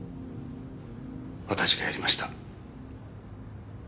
私がやりました。